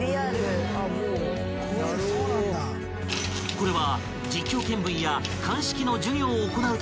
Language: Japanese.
［これは］